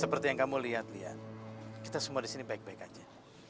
seperti yang kamu lihat kita semua disini baik baik aja